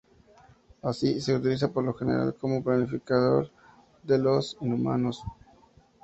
Así, se utiliza por lo general como planificador de los inhumanos.